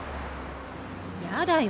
やだよ